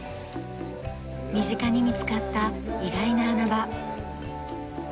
身近に見つかった意外な穴場。